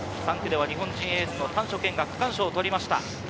３区では日本人エースの丹所健が区間賞をとりました。